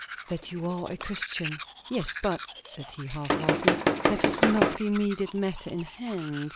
"That you are a Christian." "Yes, but," said he, half laughing, "that is not the immediate matter in hand.